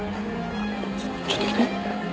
ちょっと来て。